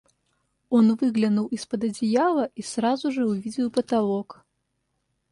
Он выглянул из-под одеяла и сразу же увидел потолок.